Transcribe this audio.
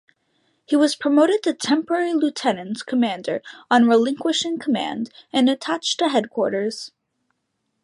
He was promoted to temporary lieutenant commander on relinquishing command, and attached to headquarters.